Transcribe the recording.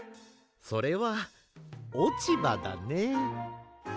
それはおちばだね。